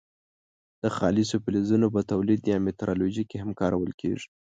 د خالصو فلزونو په تولید یا متالورجي کې هم کارول کیږي.